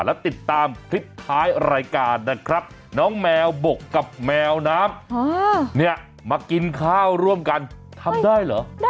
แล้วติดตามคลิปท้ายรายการนะครับน้องแมวบกกับแมวน้ำเนี่ยมากินข้าวร่วมกันทำได้เหรอ